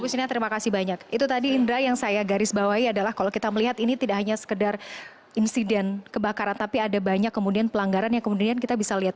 ibu sina terima kasih banyak itu tadi indra yang saya garis bawahi adalah kalau kita melihat ini tidak hanya sekedar insiden kebakaran tapi ada banyak kemudian pelanggaran yang kemudian kita bisa lihat